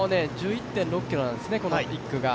１区が１１．６ｋｍなんですね。